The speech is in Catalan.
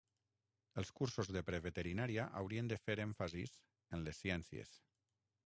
Els cursos de pre-veterinària haurien de fer èmfasis en les ciències.